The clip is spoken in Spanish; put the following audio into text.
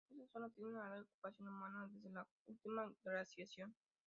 Está zona tiene una larga ocupación humana desde la última glaciación.